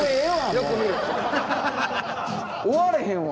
終われへんわ！